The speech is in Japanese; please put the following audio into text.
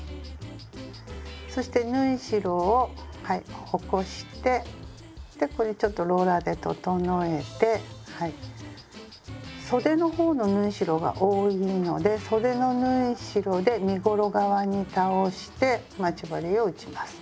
そして縫い代を起こしてでこれちょっとローラーで整えてそでの方の縫い代が多いのでそでの縫い代で身ごろ側に倒して待ち針を打ちます。